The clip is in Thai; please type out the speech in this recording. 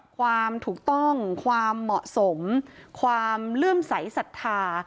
ความถูกต้องความเหมาะสมความเลื่อมใสสัทธา